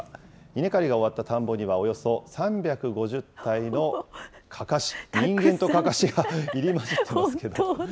稲刈りが終わった田んぼにはおよそ３５０体のかかし、人間とかかしが入り混じってますけど。